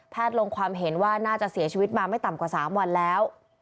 ลงความเห็นว่าน่าจะเสียชีวิตมาไม่ต่ำกว่า๓วันแล้ว